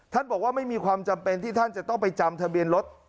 บอกว่าไม่มีความจำเป็นที่ท่านจะต้องไปจำทะเบียนรถ